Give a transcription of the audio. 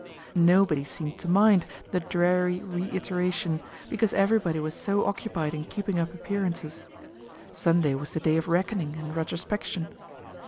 Nobody seemed to mind the dreary reiteration, because everybody was so occupied in keeping up appearances. Sunday was the day of reckoning and retrospection.